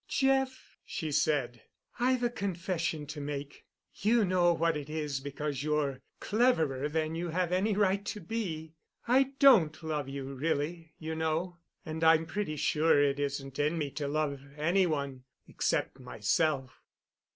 "Jeff," she said, "I've a confession to make. You know what it is, because you're cleverer than you have any right to be. I don't love you really, you know, and I'm pretty sure it isn't in me to love any one—except myself.